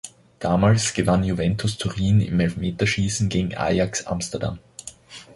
Damals gewann Juventus Turin im Elfmeterschießen gegen Ajax Amsterdam.